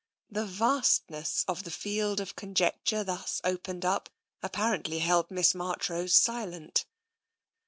The vastness of the field of conjecture thus opened up apparently held Miss Marchrose silent.